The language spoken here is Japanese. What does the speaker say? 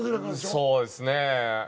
そうですね。